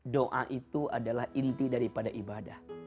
doa itu adalah inti daripada ibadah